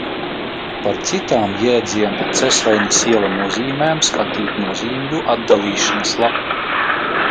Par citām jēdziena Cesvaines iela nozīmēm skatīt nozīmju atdalīšanas lapu.